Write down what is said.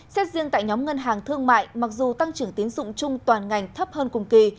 xét riêng tại nhóm ngân hàng thương mại mặc dù tăng trưởng tín dụng chung toàn ngành thấp hơn cùng kỳ